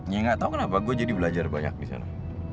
ya gak tau kenapa gue jadi belajar banyak disana